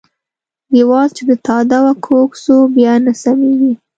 ديوال چې د تاداوه کوږ سو ، بيا نه سمېږي.